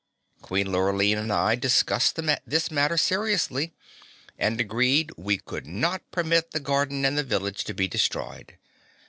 Queen Lurline and I discussed this matter seriously and agreed we could not permit the garden and the village to be destroyed.